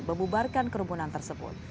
membubarkan kerumunan tersebut